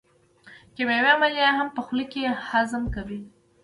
کیمیاوي عملیې هم په خوله کې هضم کوي.